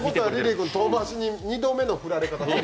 君遠回しに２度目の振られ方。